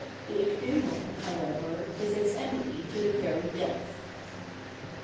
The ichneumon, however, is its enemy to the very death.